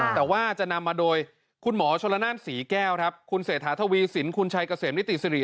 แต่ว่าจะนำมาโดยคุณหมอชลนั่นสีแก้วคุณเศษฐาทวีศิลป์คุณชัยเกษมนิติศรี